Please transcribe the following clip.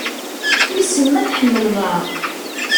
Wisen ma tḥemmleḍ-aɣ?